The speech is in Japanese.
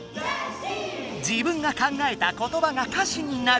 自分が考えた言葉が歌詞になる。